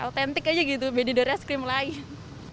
autentik aja gitu beda dari es krim lain